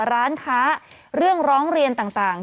ร้านค้าเรื่องร้องเรียนต่าง